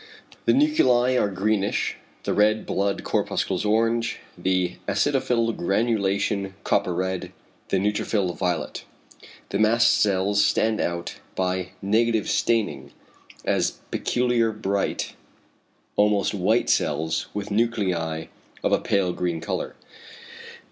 The nuclei are greenish, the red blood corpuscles orange, the acidophil granulation copper red, the neutrophil violet. The mast cells stand out by "negative staining" as peculiar bright, almost white cells, with nuclei of a pale green colour.